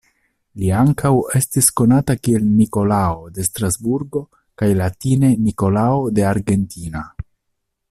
Li ankaŭ estis konata kiel Nikolao de Strasburgo kaj latine Nikolao de Argentina.